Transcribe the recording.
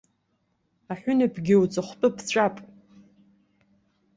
Аҳәынаԥгьы уҵыхәтәа ԥҵәап!